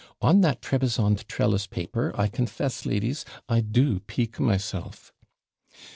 On that Trebisond trellice paper, I confess, ladies, I do pique myself.